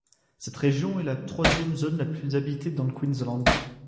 Cette région est la troisième zone la plus habitée dans le Queensland.